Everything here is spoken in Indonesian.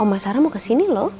oma sarah mau ke sini lho